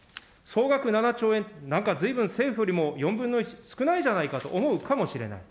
総額７兆円って、なんか随分、政府よりも４分の１少ないじゃないかと思うかもしれない。